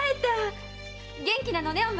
元気なのねお前。